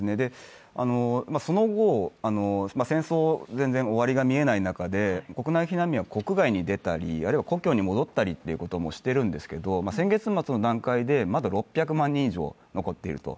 その後、戦争、全然終わりが見えない中で、国内避難民は国外に出たり、あるいは故郷に戻ったりもしているんですけれども先月末の段階でまだまだ６００万人以上残っていると。